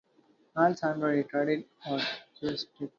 All songs were recorded acoustic.